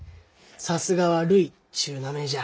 さすがはるいっちゅう名前じゃ。